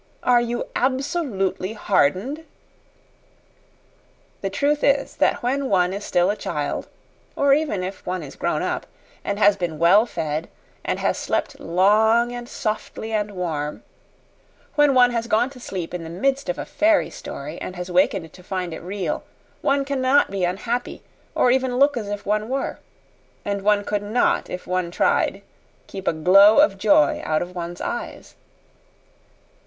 "Are you absolutely hardened?" The truth is that when one is still a child or even if one is grown up and has been well fed, and has slept long and softly and warm; when one has gone to sleep in the midst of a fairy story, and has wakened to find it real, one cannot be unhappy or even look as if one were; and one could not, if one tried, keep a glow of joy out of one's eyes.